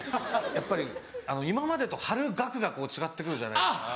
やっぱり今までとはる額が違って来るじゃないですか。